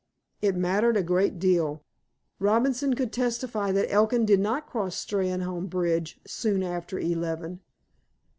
It mattered a great deal. Robinson could testify that Elkin did not cross Steynholme bridge "soon after eleven."